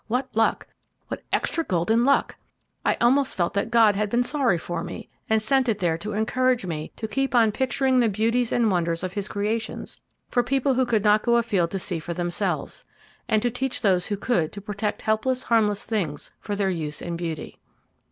What luck! What extra golden luck! I almost felt that God had been sorry for me, and sent it there to encourage me to keep on picturing the beauties and wonders of His creations for people who could not go afield to see for themselves, and to teach those who could to protect helpless, harmless things for their use and beauty.